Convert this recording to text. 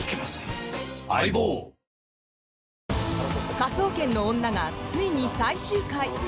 「科捜研の女」がついに最終回。